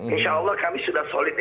insya allah kami sudah solid